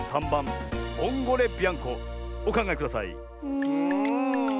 うん。